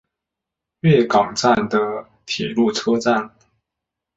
月冈站的铁路车站。